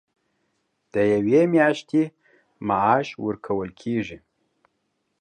د یوې میاشتې معاش ورکول کېږي.